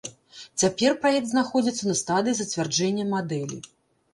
Цяпер праект знаходзіцца на стадыі зацвярджэння мадэлі.